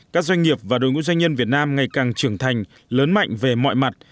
các doanh nghiệp và đội ngũ doanh nhân việt nam ngày càng trưởng thành lớn mạnh về mọi mặt